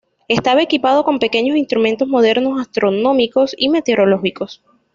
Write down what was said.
Estaba equipado con pequeños instrumentos modernos astronómicos y meteorológicos.